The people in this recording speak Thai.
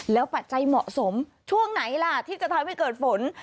แล้วปัจจัยเหมาะสมช่วงไหนล่ะที่จะทำให้เกิดฝน